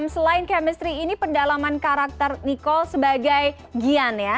selain chemistry ini pendalaman karakter niko sebagai gian ya